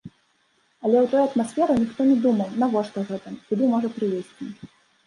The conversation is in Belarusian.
Але ў той атмасферы ніхто не думаў, навошта гэта, куды можа прывесці.